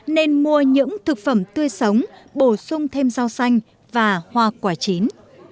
nên mua những thực phẩm tươi sống bổ sung thêm rau xanh và hoa quả chín